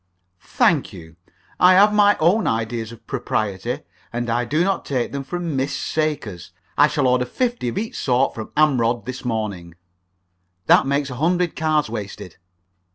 "Thank you, I have my own ideas of propriety, and I do not take them from Miss Sakers. I shall order fifty of each sort from Amrod's this morning." "Then that makes a hundred cards wasted."